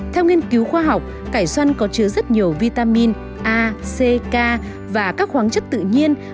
theo nghiên cứu khoa học cải xoăn có chứa rất nhiều vitamin a c k và các khoáng chất tự nhiên